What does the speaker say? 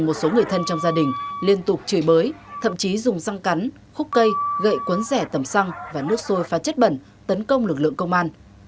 phượng là một người thân trong gia đình liên tục chửi bới thậm chí dùng xăng cắn khúc cây gậy cuốn rẻ tẩm xăng và nước sôi phá chất bẩn tấn công lực lượng công an